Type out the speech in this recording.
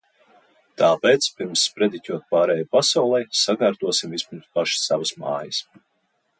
Tāpēc, pirms sprediķot pārējai pasaulei, sakārtosim vispirms paši savas mājas.